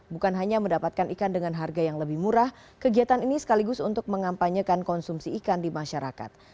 bukan hanya mendapatkan ikan dengan harga yang lebih murah kegiatan ini sekaligus untuk mengampanyekan konsumsi ikan di masyarakat